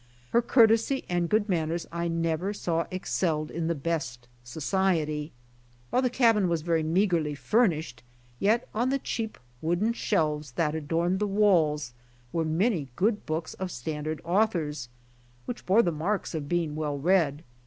Her courtesy and good manners I never saw excelled in the best society. While the cabin was very meagerly furnished, yet on the cheap wooden shelves that adorned the walls were many good books of standard authors, which bore the marks of being well read.